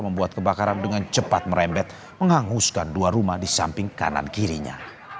membuat kebakaran dengan cepat merembet menghanguskan dua rumah di samping kanan kirinya